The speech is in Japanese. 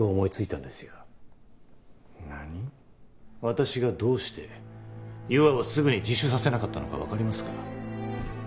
私がどうして優愛をすぐに自首させなかったのかわかりますか？